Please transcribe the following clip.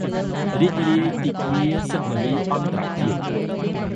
រីករាយទិវាសិទ្ធិនារីអន្តរជាតិ!